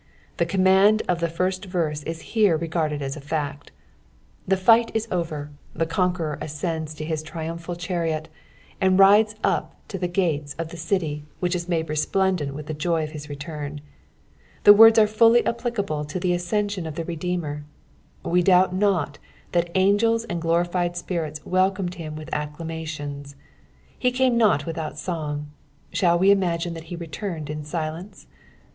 The command of the first verse is here regarded «S a fact. The light is over, the conqueror ascends to his triumphal chanot, SDd rides up to the gates of the city which is made resplendent witJi the joy of his return. The words am fully applicable to the ascension of the Redeemer. We doubt not that angels and glorified spirits welcomed him with acclamations. He came not without song, Khali we imugine that he returned in silence ?